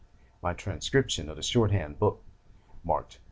My transcription of the shorthand book marked 'III.'